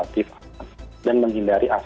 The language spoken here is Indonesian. apa yang aku mengingatkan